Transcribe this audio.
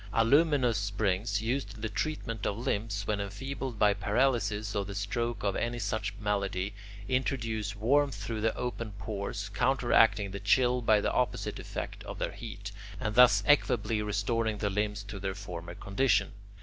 Aluminous springs, used in the treatment of the limbs when enfeebled by paralysis or the stroke of any such malady, introduce warmth through the open pores, counter acting the chill by the opposite effect of their heat, and thus equably restoring the limbs to their former condition.